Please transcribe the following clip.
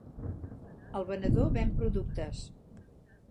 El venedor ven productes.